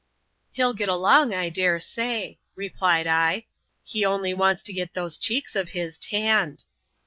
Hell get along, I dare say," replied I ; "he only wants to get those cheeks of his tanned."